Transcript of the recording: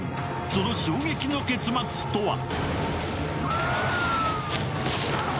その衝撃の結末とは？